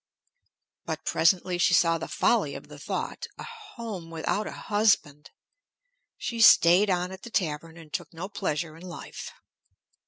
But presently she saw the folly of the thought, a home without a husband! She staid on at the tavern, and took no pleasure in life.